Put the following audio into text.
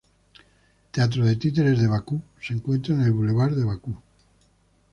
Teatro de títeres de Bakú se encuentra en el Bulevard de Bakú.